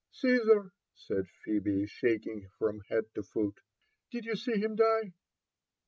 " Caesar!" said Phebe, shaking from head to foot, " did you see him die?"